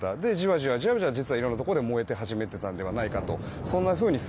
じわじわ、実は色んなところで燃え始めていたのではないかと。